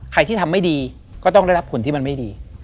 ที่ทำไม่ดีก็ต้องได้รับผลที่มันไม่ดี